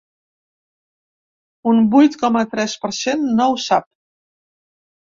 Un vuit coma tres per cent no ho sap.